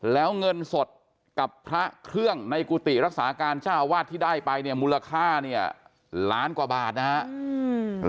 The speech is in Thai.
แล้วเงินสดกับพระเครื่องในกุฏิรักษาการเจ้าอาวาสที่ได้ไปเนี่ยมูลค่าเนี่ยล้านกว่าบาทนะครับ